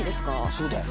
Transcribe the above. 「そうだよ」